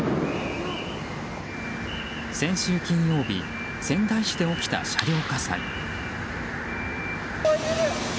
先週金曜日、仙台市で起きた車両火災。